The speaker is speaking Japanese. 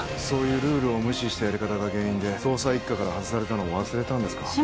そういうルールを無視したやり方が原因で捜査一課から外されたのを忘れたんですか